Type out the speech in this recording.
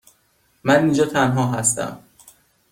من اینجا تنها هستم.